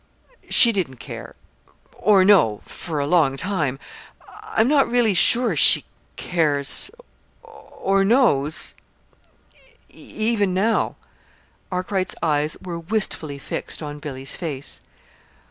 "She didn't care or know for a long time. I'm not really sure she cares or knows even now." Arkwright's eyes were wistfully fixed on Billy's face.